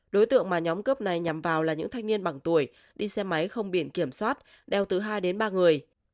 đối tượng mà nhóm cướp này nhằm vào là những thanh niên bằng tuổi đi xe máy không biển kiểm soát đeo từ hai đến ba người